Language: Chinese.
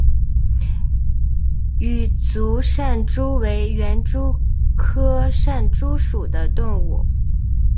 羽足扇蛛为园蛛科扇蛛属的动物。